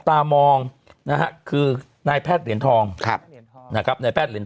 ตามองนะฮะคือนายแพทย์เหรียญทองครับนะครับนายแพทย์เหรียญ